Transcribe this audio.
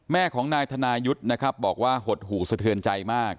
แม่ของนายธนายุทธ์นะครับบอกว่าหดหู่สะเทือนใจมาก